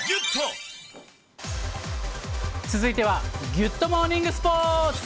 続いてはギュッとモーニングスポーツ。